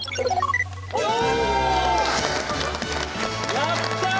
やった！